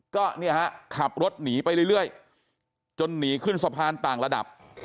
ก็เนี่ยฮะขับรถหนีไปเรื่อยจนหนีขึ้นสะพานต่างระดับ